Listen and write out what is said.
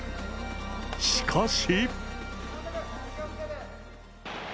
しかし。